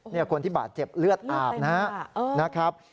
เนี่ยควรที่บาดเจ็บเลือดอาบนะฮะเลือดใต้เลือดอ่ะเออ